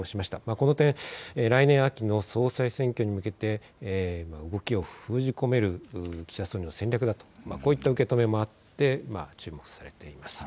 この点、来年秋の総裁選挙に向けて動きを封じ込める岸田総理の戦略だとこういった受け止めもあって注目されています。